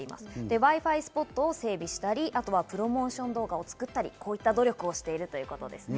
Ｗｉ−Ｆｉスポットを整備したり、プロモーション動画を作ったり、こういった努力をしています。